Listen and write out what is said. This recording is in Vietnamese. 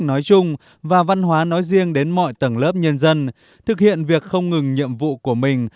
nói chung và văn hóa nói riêng đến mọi tầng lớp nhân dân thực hiện việc không ngừng nhiệm vụ của mình